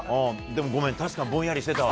でもごめん、確かにぼんやりしてた。